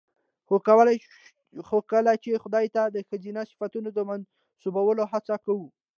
خو کله چې خداى ته د ښځينه صفتونو د منسوبولو هڅه کوو